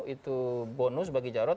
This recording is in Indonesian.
itu bonus bagi jarod